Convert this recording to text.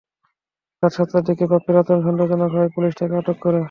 রাত সাতটার দিকে বাপ্পীর আচরণ সন্দেহজনক হওয়ায় পুলিশ তাঁকে আটক করে।